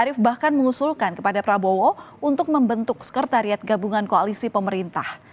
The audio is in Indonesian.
arief bahkan mengusulkan kepada prabowo untuk membentuk sekretariat gabungan koalisi pemerintah